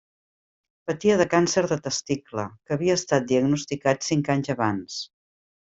Patia de càncer de testicle, que havia estat diagnosticat cinc anys abans.